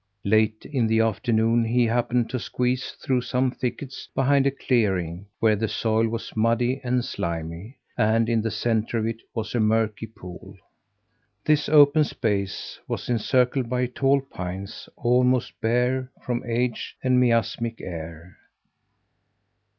Late in the afternoon he happened to squeeze through some thickets behind a clearing where the soil was muddy and slimy, and in the centre of it was a murky pool. This open space was encircled by tall pines almost bare from age and miasmic air.